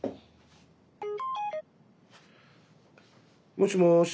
もしもし。